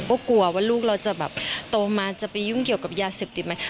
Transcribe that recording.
ก็กลัวว่าลูกเราจะแบบโตมาจะไปยุ่งเกี่ยวกับยาเสพติดไหม